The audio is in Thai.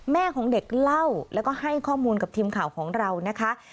แม่ของเด็กเล่าแล้วก็ให้ข้อมูลกับทีมข่าวของเรานะคะ